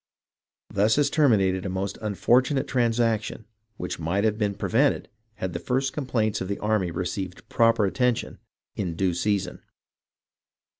Thus has terminated a most unfortunate transaction which might have been prevented had the first complaints of the army received proper attention in due season.